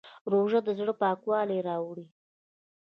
روژه د زړه پاکوالی راوړي.